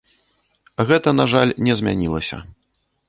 Гэта, на жаль, не змянілася.